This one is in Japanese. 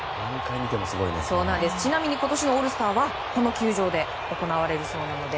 ちなみに今年のオールスターはこの球場で行われるそうなので。